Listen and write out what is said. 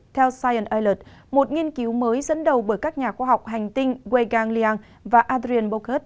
theo science alert một nghiên cứu mới dẫn đầu bởi các nhà khoa học hành tinh weigang liang và adrian bocut